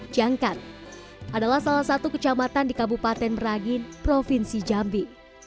jangkat adalah salah satu kecamatan di kabupaten merangin provinsi jambi